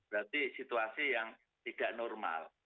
berarti situasi yang tidak normal